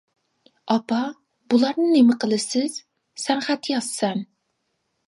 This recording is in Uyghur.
ئاپا بۇلارنى نېمە قىلىسىز؟ سەن خەت يازىسەن.